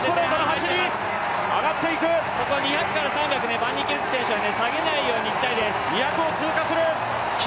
ここ、２００から３００はバンニーキルク選手は下げないようにいきたいです。